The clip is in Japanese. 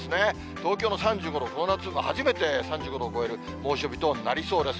東京の３５度、この夏初めて３５度を超える猛暑日となりそうです。